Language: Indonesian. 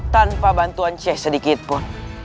tanpa bantuan cih sedikitpun